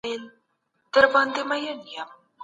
آیا ټولنپوهنه یو آسانه علم دی؟